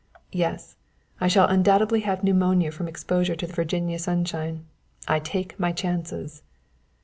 "Yes; I shall undoubtedly have pneumonia from exposure to the Virginia sunshine. I take my chances."